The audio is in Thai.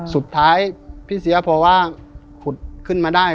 สุดท้ายพี่เสียพอว่าขุดไปได้